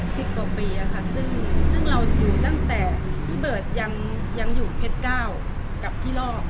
สิบกว่าปีอะค่ะซึ่งซึ่งเราอยู่ตั้งแต่พี่เบิร์ตยังยังอยู่เพชรเก้ากับพี่รอด